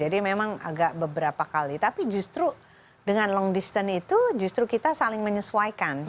memang agak beberapa kali tapi justru dengan long distance itu justru kita saling menyesuaikan